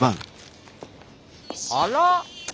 あら。